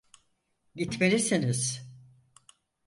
Gitmelisiniz.